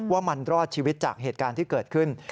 ว่ามันรอดชีวิตจากเหตุการณ์ที่เกิดขึ้น